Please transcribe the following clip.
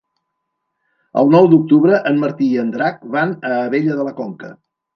El nou d'octubre en Martí i en Drac van a Abella de la Conca.